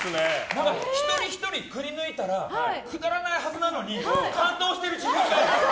一人ひとり、くりぬいたらくだらないはずなのに感動してる自分がいる。